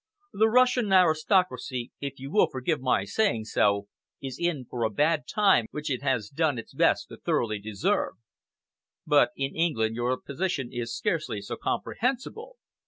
The Russian aristocracy, if you will forgive my saying so, is in for a bad time which it has done its best to thoroughly deserve. But in England your position is scarcely so comprehensible.